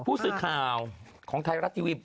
ผู้สื่อข่าวของไทยรัฐทีวี